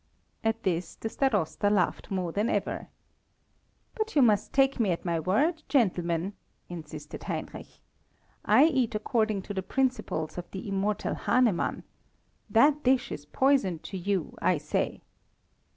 At this the Starosta laughed more than ever. "But you must take me at my word, gentlemen," insisted Heinrich. "I eat according to the principles of the immortal Hahnemann. That dish is poison to you, I say."